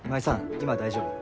今大丈夫？